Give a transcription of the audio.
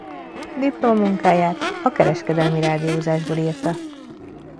Diplomamunkáját a kereskedelmi rádiózásból írta.